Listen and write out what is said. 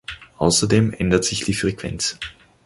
Außerdem ändert sich die Frequenz.